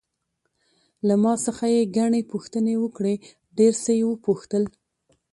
له ما څخه یې ګڼې پوښتنې وکړې، ډېر څه یې وپوښتل.